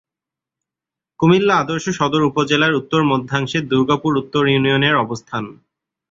কুমিল্লা আদর্শ সদর উপজেলার উত্তর-মধ্যাংশে দুর্গাপুর উত্তর ইউনিয়নের অবস্থান।